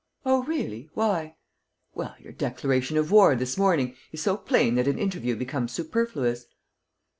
"Oh, really? Why?" "Well, your declaration of war, this morning, is so plain that an interview becomes superfluous."